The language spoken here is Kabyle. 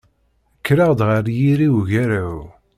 Kkreɣ-d ɣer yiri ugaraw.